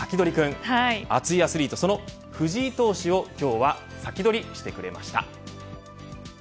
こちらのサキドリ君熱いアスリートその藤井投手を今日は先取りしてくれました。